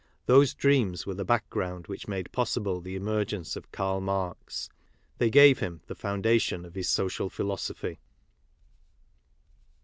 Those dreams were the background which made possible the emergence of Karl Marx. They gave him the foundation of his social philosophy.